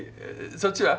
そっちは？